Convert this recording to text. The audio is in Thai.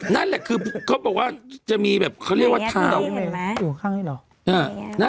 นั่นแหละคือเขาบอกว่าจะมีแบบเขาเรียกว่าเท้าอยู่ข้างนี้เหรอ